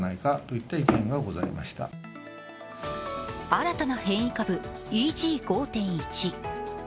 新たな変異株、ＥＧ５．１。